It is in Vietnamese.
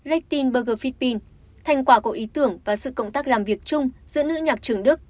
leichtin burger fitbin thành quả của ý tưởng và sự cộng tác làm việc chung giữa nữ nhạc trường đức